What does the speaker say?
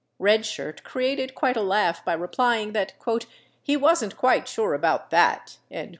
Red Shirt created quite a laugh by replying that "he wasn't quite sure about that."